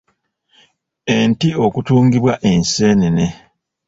Enti okutungibwa enseenene .